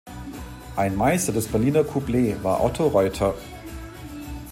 Ein Meister des Berliner Couplets war Otto Reutter.